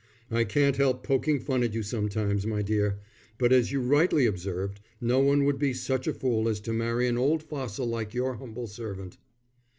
"I can't help poking fun at you sometimes, my dear. But, as you rightly observed, no one would be such a fool as to marry an old fossil like your humble servant."